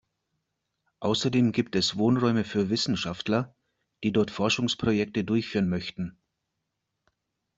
Außerdem gibt es Wohnräume für Wissenschaftler, die dort Forschungsprojekte durchführen möchten.